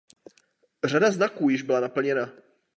Řada znaků již byla naplněna.